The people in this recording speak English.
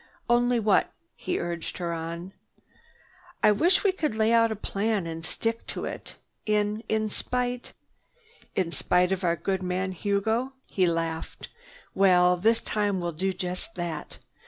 "Only what?" He urged her on. "I wish we could lay out a plan and stick to it, in—in spite—" "In spite of our good man Hugo," he laughed. "Well, this time we'll do just that.